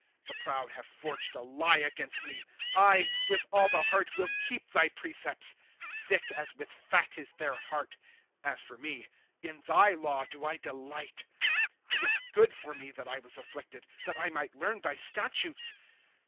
'5» The proud have forged a lie against me ; I, with all the heart, will keep thy precepts, ™ Thick, as with fat, is their heart ; As for me, in thy law do I delight. ''I It is good for me that I was afflicted, That I might learn thy statutes.